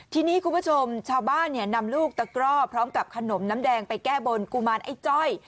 ทีนี้คุณผู้ชมชาวบ้านเนี่ยนำลูกตะกร่อพร้อมกับขนมน้ำแดงไปแก้บนกุมารไอ้จ้อย